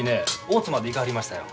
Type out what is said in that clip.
大津まで行かはりましたよ。